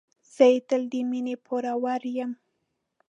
زه یې تل د مینې پوروړی یم.